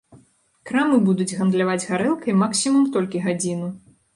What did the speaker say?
Крамы будуць гандляваць гарэлкай максімум толькі гадзіну.